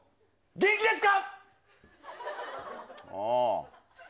元気ですか？